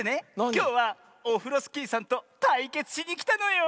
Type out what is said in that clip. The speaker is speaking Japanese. きょうはオフロスキーさんとたいけつしにきたのよ！